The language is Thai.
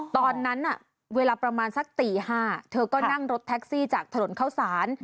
ตอนนั้นเวลาประมาณสักตี๕เธอก็นั่งรถแท็กซี่จากถนนเข้าสาร